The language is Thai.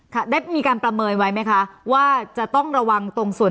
ได้มีการประเมินไว้ไหมคะว่าจะต้องระวังตรงส่วน